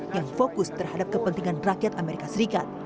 yang fokus terhadap kepentingan rakyat amerika serikat